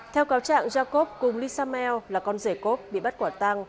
theo cáo trạng jacob cùng lee samuel là con rể cốt bị bắt quả tăng